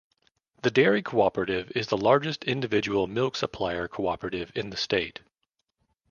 The dairy cooperative is the largest individual milk supplier cooperative in the state.